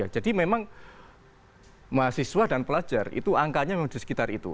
jadi memang mahasiswa dan pelajar itu angkanya memang di sekitar itu